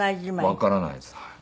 わからないです。